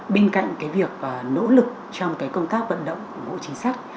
bên cạnh cái việc nỗ lực trong cái công tác vận động hộ chính sách